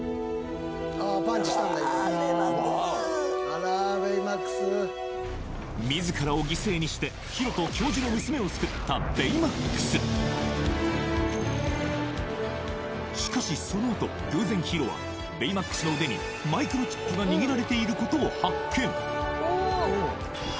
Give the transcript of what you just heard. あらベイマックス自らを犠牲にしてヒロと教授の娘を救ったベイマックスしかしそのあと偶然ヒロはベイマックスの腕にマイクロチップが握られていることを発見！